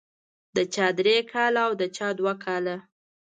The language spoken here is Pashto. د چا درې کاله او د چا دوه کاله.